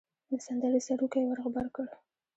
د سندرې سروکی ور غبرګ کړ.